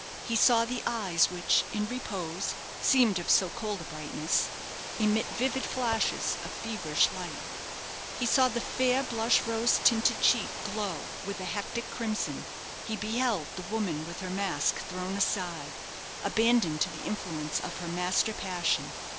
He saw the eyes which, in repose, seemed of so cold a brightness, emit vivid flashes of feverish light; he saw the fair blush rose tinted cheek glow with a hectic crimson he beheld the woman with her mask thrown aside, abandoned to the influence of her master passion.